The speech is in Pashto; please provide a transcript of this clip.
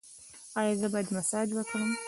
ایا زه باید مساج وکړم؟